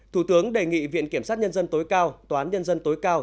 thủ tướng đề nghị viện kiểm sát nhân dân tối cao toán nhân dân tối cao